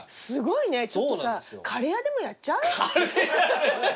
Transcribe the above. すごいよね。